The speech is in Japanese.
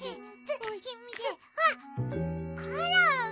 あっコロン。